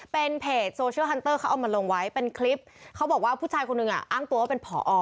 เป็นเพจโซเชียลฮันเตอร์เขาเอามาลงไว้เป็นคลิปเขาบอกว่าผู้ชายคนหนึ่งอ่ะอ้างตัวว่าเป็นผอ